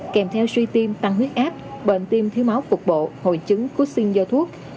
kèm theo suy tim tăng huyết áp bệnh tim thiếu máu phục bộ hồi chứng cút xin do thuốc